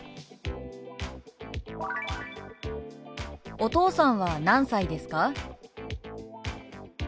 「お父さんは何歳ですか？」。